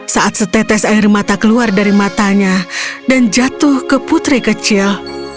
saat setetes air mata keluar dari matanya dan jatuh ke putri kecil